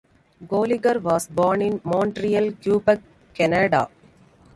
Goligher was born in Montreal, Quebec, Canada.